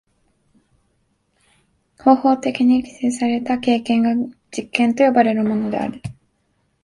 方法的に規制された経験が実験と呼ばれるものである。